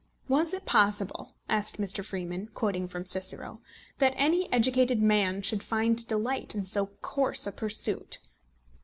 Was it possible, asked Mr. Freeman, quoting from Cicero, that any educated man should find delight in so coarse a pursuit?